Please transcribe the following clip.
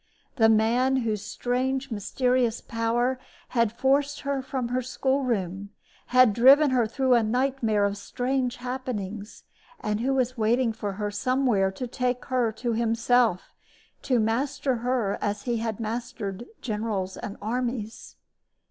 The man whose strange, mysterious power had forced her from her school room, had driven her through a nightmare of strange happenings, and who was waiting for her somewhere to take her to himself, to master her as he had mastered generals and armies!